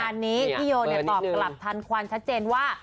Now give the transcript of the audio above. งานนี้พี่โยตอบกลับทันควันชัดเจนว่า